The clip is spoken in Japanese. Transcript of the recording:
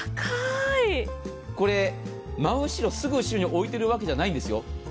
これ、真後ろ、すぐ後ろに置いているわけじゃないんですよ。